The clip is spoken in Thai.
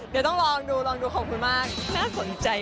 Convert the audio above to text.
เดี๋ยวต้องลองดูขอบคุณมาก